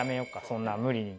そんな無理に。